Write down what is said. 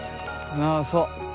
ああそう。